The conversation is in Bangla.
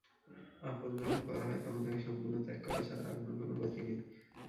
আপন যখন পর হয় তখন তাঁকে সম্পূর্ণ ত্যাগ করা ছাড়া আন্য কোনো গতি নেই।